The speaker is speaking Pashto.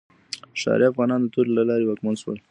ښاري افغانان د تورې له لارې واکمن شول.